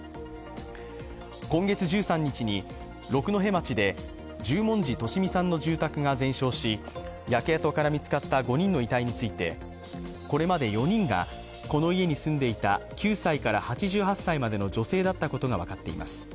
今月１３日に六戸町で十文字利美さんの住宅が全焼し焼け跡から見つかった５人の遺体についてこれまで４人がこの家に住んでいた９歳から８８歳までの女性だったことが分かっています。